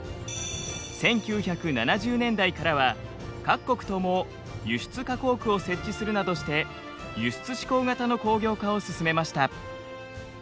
１９７０年代からは各国とも輸出加工区を設置するなどして輸出指向型の工業化を進めました。